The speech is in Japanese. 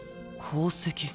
宝石？